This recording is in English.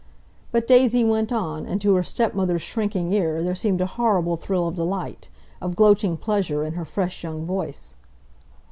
But Daisy went on, and to her stepmother's shrinking ear there seemed a horrible thrill of delight; of gloating pleasure, in her fresh young voice.